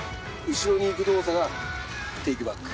後ろにいく動作がテイクバック。